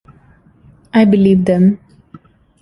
I believe them.